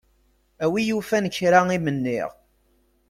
A wi yufan kra i m-nniɣ.